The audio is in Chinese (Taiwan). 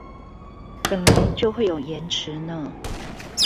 本來就會有延遲呢